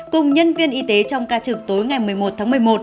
cùng nhân viên y tế trong ca trực tối ngày một mươi một tháng một mươi một